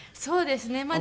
そうですね。